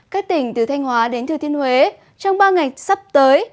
các tỉnh từ thanh hóa đến thừa thiên huế trong ba ngày sắp tới